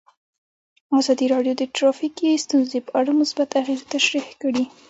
ازادي راډیو د ټرافیکي ستونزې په اړه مثبت اغېزې تشریح کړي.